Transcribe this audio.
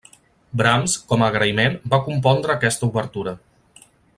Brahms, com a agraïment, va compondre aquesta obertura.